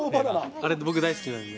あれ、僕大好きなんで。